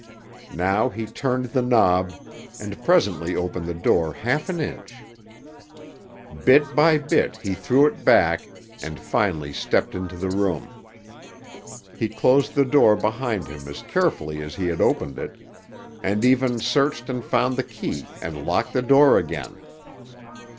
Now he turned the knob, and presently opened the door half an inch. Bit by bit he threw it back, and finally stepped into the room. He closed the door behind him as carefully as he had opened it, and even searched and found the key and locked the door again.